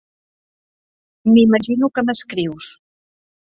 M'imagino que m'escrius.